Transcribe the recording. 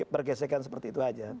pergesekan seperti itu saja